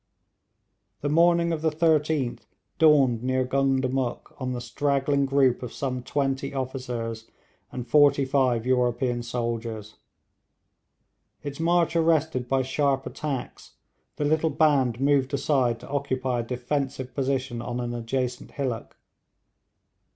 The morning of the 13th dawned near Gundamuk on the straggling group of some twenty officers and forty five European soldiers. Its march arrested by sharp attacks, the little band moved aside to occupy a defensive position on an adjacent hillock.